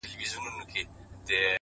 زما په زړه باندې لمبه راځي او ټکه راځي _